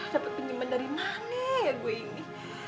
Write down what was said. dapat pinjaman dari mana ya gue ini